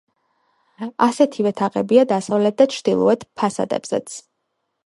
ასეთივე თაღებია დასავლეთ და ჩრდილოეთ ფასადებზეც.